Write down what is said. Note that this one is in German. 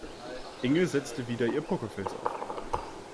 Inge setzte wieder ihr Pokerface auf.